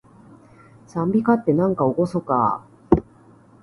讃美歌って、なんかおごそかー